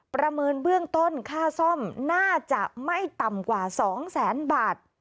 ประเมินเบื้องต้นค่าซ่อมน่าจะไม่ต่ำกว่า๒แสนบาท